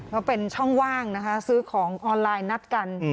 ก็เป็นช่องว่างนะคะซื้อของออนไลน์นัดกัน